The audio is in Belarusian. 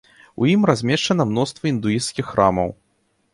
У ім размешчана мноства індуісцкіх храмаў.